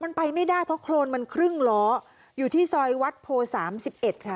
มันไปไม่ได้เพราะโคลนมันครึ่งล้ออยู่ที่ซอยวัดโพธิ์๓๑